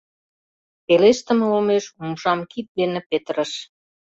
Пелештыме олмеш умшам кид дене петырыш.